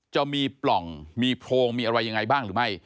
จะมีปล่องมีโพรงมีอะไรยังไงบ้างหรือไม่